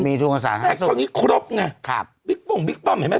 มีทุกคนสาธารณะสุขครับบิ๊กป้อมบิ๊กป้อมเห็นไหม